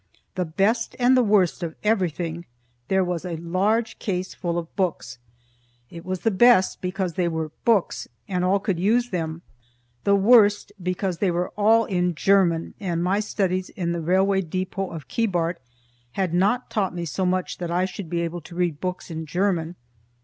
The best and the worst of everything there was a large case full of books. It was the best, because they were "books" and all could use them; the worst, because they were all German, and my studies in the railway depot of Keebart had not taught me so much that I should be able to read books in German.